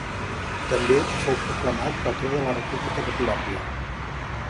També fou proclamat patró de la República de Colòmbia.